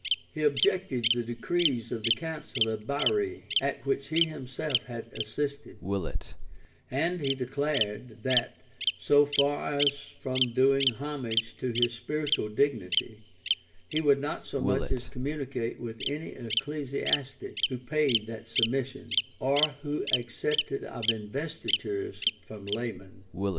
] He objected the decrees of the council of Bari, at which he himself had assisted; and he declared, that, so far from doing homage for his spiritual dignity, he would not so much as communicate with any ecclesiastic who paid that submission, or who accepted of investitures from laymen.